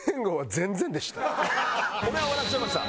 俺は笑っちゃいました。